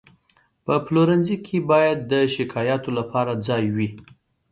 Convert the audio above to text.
په پلورنځي کې باید د شکایاتو لپاره ځای وي.